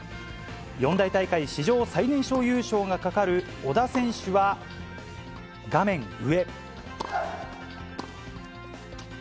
四大大会史上最年少優勝がかかる小田選手は画面上。